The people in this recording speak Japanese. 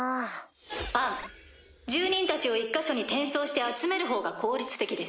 住人たちを１か所に転送して集めるほうが効率的です。